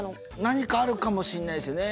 何かあるのかもしれないですよね。